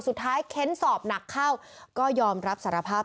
เค้นสอบหนักเข้าก็ยอมรับสารภาพ